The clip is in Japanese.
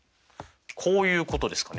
こういうことですかね？